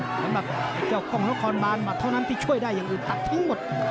สำหรับไอ้เจ้ากล้องนครบานหมัดเท่านั้นที่ช่วยได้อย่างอื่นตัดทิ้งหมด